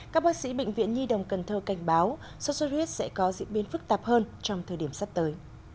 các bác sĩ bệnh viện nhi đồng cần thơ cảnh báo sốt xuất huyết sẽ có diễn biến phức tạp hơn trong thời điểm sắp tới